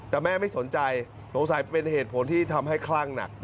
แต่แม่ไม่สนใจสงสัยเป็นเหตุผลที่ทำให้คลั่งหนัก